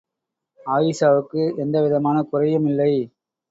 ஆயீஷாவுக்கு எந்த விதமான குறையும் இல்லை.